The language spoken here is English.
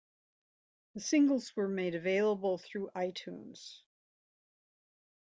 The singles were made available through iTunes.